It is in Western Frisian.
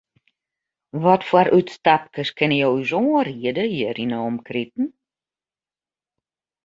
Watfoar útstapkes kinne jo ús oanriede hjir yn 'e omkriten?